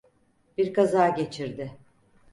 Bir kaza geçirdi.